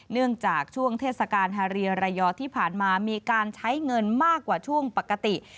เนื่องจากช่วงเทศกาลฮาเรียรายอที่ผ่านมามีการใช้เงินมากกว่าช่วงปกติ